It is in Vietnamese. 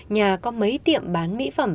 nhà có mấy tiệm bán mỹ phẩm